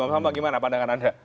mas mbak bagaimana pandangan anda